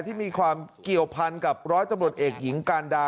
ที่มีความเกี่ยวพันกับร้อยตำรวจเอกหญิงการดา